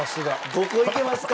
５個いけますか？